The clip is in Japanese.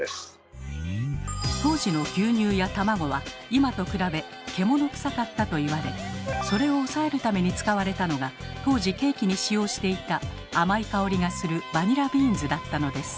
当時の牛乳や卵は今と比べ獣臭かったと言われそれを抑えるために使われたのが当時ケーキに使用していた甘い香りがするバニラビーンズだったのです。